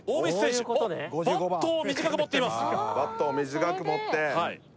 バットを短く持っています